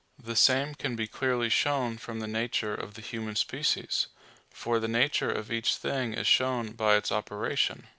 The same can be clearly shown from the nature of the human species. For the nature of each thing is shown by its operation.